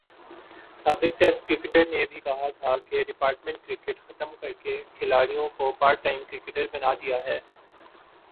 سابق test cricketer نے بھی کہا تھا کہ ڈپارٹمنٹ کرکٹ ختم کر کے کھلاڑیوں کو پارٹ ٹائم کرکٹر بنادیا ہے۔